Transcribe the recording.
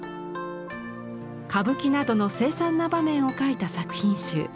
歌舞伎などの凄惨な場面を描いた作品集。